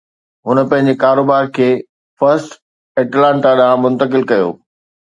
هن پنهنجي ڪاروبار کي فرسٽ ائٽلانتا ڏانهن منتقل ڪيو